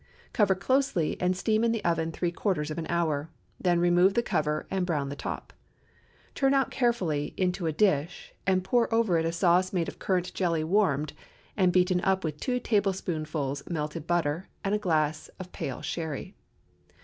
Cover closely, and steam in the oven three quarters of an hour; then remove the cover to brown the top. Turn out carefully into a dish, and pour over it a sauce made of currant jelly warmed, and beaten up with two tablespoonfuls melted butter and a glass of pale Sherry.